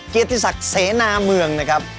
เกียรติศักดิ์เสนาเมืองนะครับ